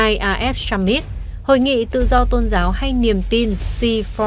irf summit hội nghị tự do tôn giáo hay niềm tin c bốn